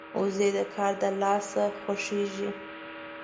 وزې د کار د لاسه خوښيږي